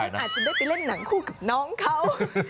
อาจจะได้ไปเล่นหนังคู่กับน้องเขา